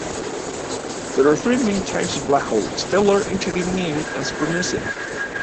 There are three main types of black hole: stellar, intermediate, and supermassive.